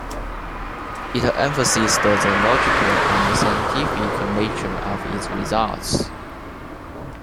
It emphasized the logical and scientific nature of its results.